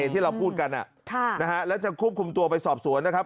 ที่เราพูดกันแล้วจะควบคุมตัวไปสอบสวนนะครับ